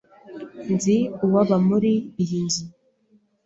Nzi uwaba muri iyi nzu.